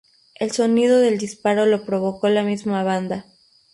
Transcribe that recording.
El sonido del disparo lo provoca la misma banda.